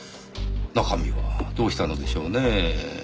中身はどうしたのでしょうねぇ？